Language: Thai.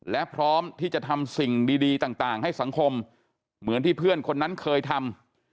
และพร้อมที่จะทำสิ่งดีต่างให้สังคมเหมือนที่เพื่อนคนนั้นเคยทำ